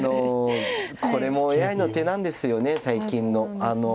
これもＡＩの手なんですよね最近の。